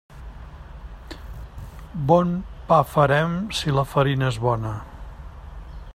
Bon pa farem si la farina és bona.